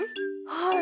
はい。